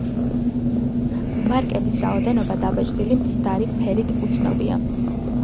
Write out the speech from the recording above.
მარკების რაოდენობა დაბეჭდილი მცდარი ფერით უცნობია.